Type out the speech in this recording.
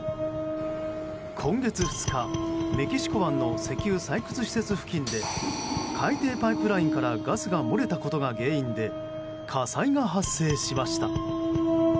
今月２日、メキシコ湾の石油採掘施設付近で海底パイプラインからガスが漏れたことが原因で火災が発生しました。